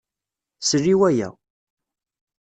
Sel i waya.